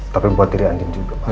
tapi buat diri andien juga pak